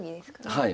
はい。